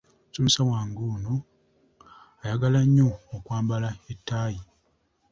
Omusomesa wange ono ayagala nnyo okwambala ettaayi.